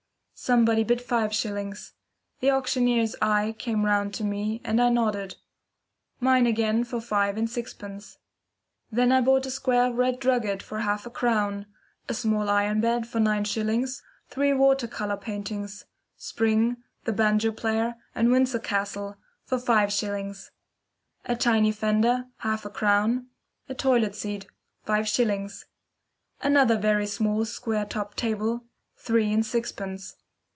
Somebody bid five shillings. The auctioneer's eye came round to me, and I nodded. Mine again for five and sixpence. Then I bought a square of red drugget for half a crown, a small iron bed for nine shillings, three watercolour paintings, "Spring," "The Banjo Player," and "Windsor Castle," for five shillings; a tiny fender, half a crown; a toilet set, five shillings; another very small square topped table, three and sixpence.